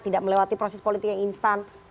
tidak melewati proses politik yang instan